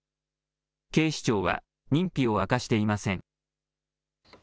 警視庁は認否を明かしていません。